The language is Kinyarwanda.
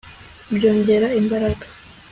byongera imbaraga